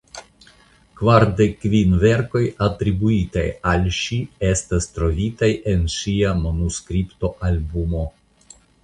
Kvardek kvin verkoj atribuitaj al ŝi estas trovitaj en ŝia manuskriptoalbumo.